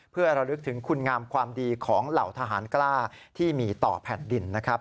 เพื่อระลึกถึงคุณงามความดีของเหล่าทหารกล้าที่มีต่อแผ่นดินนะครับ